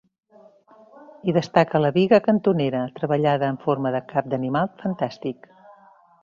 Hi destaca la biga cantonera, treballada en forma de cap d'animal fantàstic.